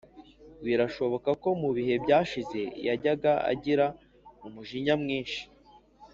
Birashoboka ko mu bihe byahise yajyaga agira umujinya mwinshi